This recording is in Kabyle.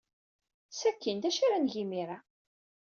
Sakkin d acu ara neg imir-a?